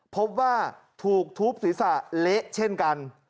พบว่าถูกทุบศีรษะเละเช่นกัน